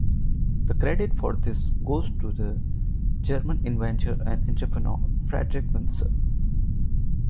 The credit for this goes to the German inventor and entrepreneur Fredrick Winsor.